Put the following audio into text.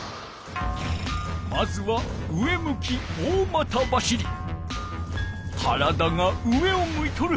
まずは体が上を向いとる。